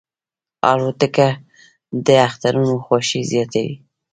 الوتکه د اخترونو خوښي زیاتوي.